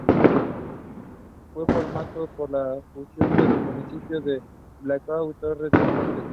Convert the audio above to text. Fue formado por la fusión de los municipios de Blecua y Torres de Montes.